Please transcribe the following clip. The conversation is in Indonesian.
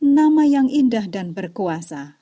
nama yang indah dan berkuasa